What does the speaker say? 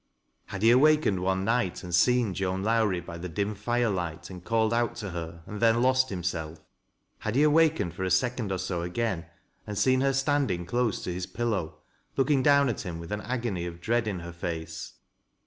Had he awakened one night and seen Joan Lowrie by the dim fire light and called out to her, and then lost himself ? Had he awakened for a second oj BO again and seen her standing close to his pillow, looking down at him with an agony of dread in her face